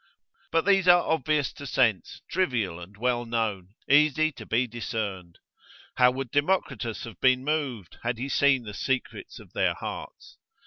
But these are obvious to sense, trivial and well known, easy to be discerned. How would Democritus have been moved, had he seen the secrets of their hearts?